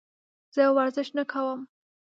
زه ورزش نه کوم.